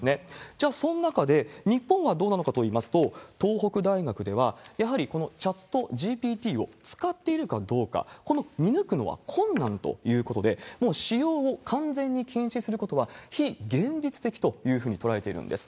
じゃあ、その中で日本はどうなのかといいますと、東北大学では、やはりこのチャットＧＰＴを使っているかどうか、この見抜くのは困難ということで、もう使用を完全に禁止することは非現実的というふうに捉えているんです。